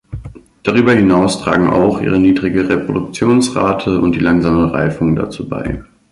Darüber hinaus tragen auch ihre niedrige Reproduktionsrate und die langsame Reifung dazu bei.